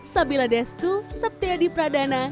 sebelah destu sepdadi pradana